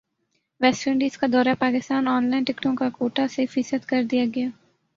waste Indies کا دورہ Pakistan online ٹکٹوں کاکوٹہ سے فیصد کردیاگیا